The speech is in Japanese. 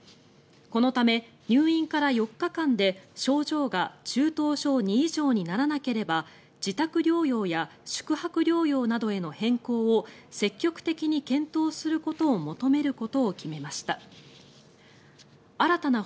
このため、入院から４日間で症状が中等症２以上にならなければ自宅療養や宿泊療養などへの変更を積極的に検討することを求めることを決めました。